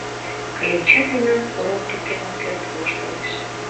Кленча дене, — орол туркен ок керт, воштылеш.